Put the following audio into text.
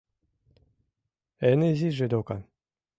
— Эн изиже докан.